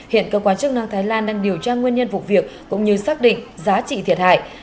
hiện cơ quan chức năng thái lan đang điều tra nguyên nhân vụ việc cũng như xác định giá trị thiệt hại